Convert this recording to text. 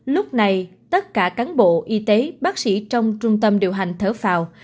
lúc này tất cả cán bộ y tế bác sĩ trong trung tâm điều hành thở phào